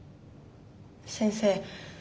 先生